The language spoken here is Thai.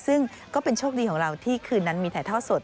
ซึ่งก็เป็นโชคดีของเราที่คืนนั้นมีถ่ายทอดสด